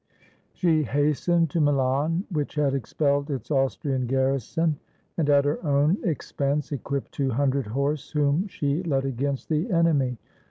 She hastened to Milan, which had expelled its Austrian garrison, and at her own expense equipped two hundred horse, whom she led against the enemy.